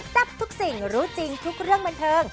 ทับทุกสิ่งรู้จริงทุกเรื่องบันเทิง